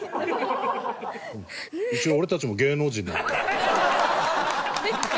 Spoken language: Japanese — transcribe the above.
一応俺たちも芸能人なんだけど。